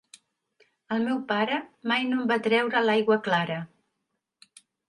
El meu pare mai no en va treure l'aigua clara.